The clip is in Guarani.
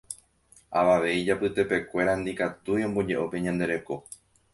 Avave ijapytepekuéra ndikatúi ombojeʼo pe ñande reko.